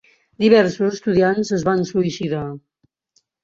Diversos estudiants es van suïcidar.